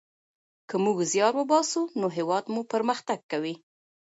که موږ زیار وباسو نو هیواد مو پرمختګ کوي.